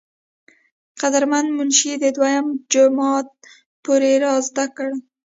قدر مند منشي د دويم جمات پورې زدکړې